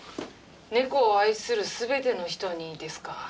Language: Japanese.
「猫を愛する全ての人に」ですか。